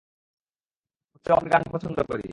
উচ্চ আওয়াজের গান পছন্দ করি!